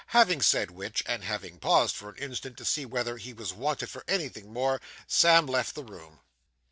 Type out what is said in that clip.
Having said which, and having paused for an instant to see whether he was wanted for anything more, Sam left the room.